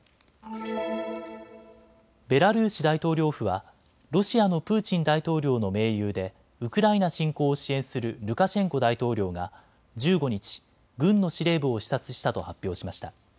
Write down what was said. ベラルーシ大統領府はロシアのプーチン大統領の盟友でウクライナ侵攻を支援するルカシェンコ大統領が１５日、軍の司令部を視察したと発表しました。